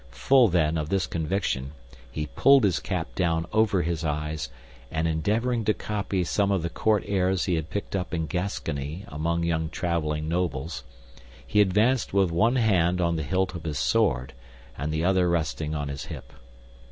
Full, then, of this conviction, he pulled his cap down over his eyes, and endeavoring to copy some of the court airs he had picked up in Gascony among young traveling nobles, he advanced with one hand on the hilt of his sword and the other resting on his hip.